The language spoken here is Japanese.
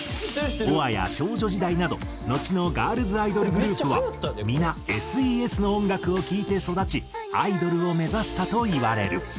ＢｏＡや少女時代などのちのガールズアイドルグループは皆Ｓ．Ｅ．Ｓ．の音楽を聴いて育ちアイドルを目指したといわれる。